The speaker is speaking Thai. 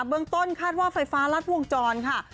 เบื้องต้นคาดว่าไฟฟ้ารัดวงจรค่ะ